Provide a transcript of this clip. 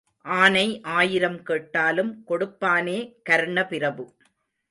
ஆனை ஆயிரம் கேட்டாலும் கொடுப்பானே கர்ணப்பிரபு.